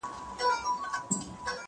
اسلام د نورو مقدساتو سپکاوی نه خوښوي.